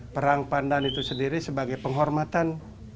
perang pandan itu sendiri sebagai penghormatan